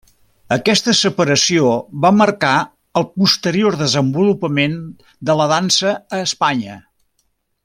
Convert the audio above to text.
Aquesta separació va marcar el posterior desenvolupament de la dansa a Espanya.